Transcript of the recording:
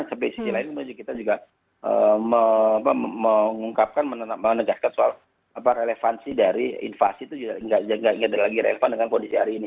tapi sisi lain kita juga mengungkapkan menegaskan soal relevansi dari invasi itu nggak lagi relevan dengan kondisi hari ini